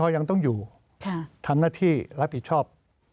ยังต้องอยู่ทำหน้าที่รับผิดชอบ